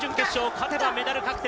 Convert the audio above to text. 勝てばメダル確定。